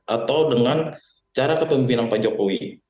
atau dengan cara kepemimpinan pak jokowi